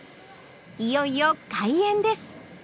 いよいよ開演です！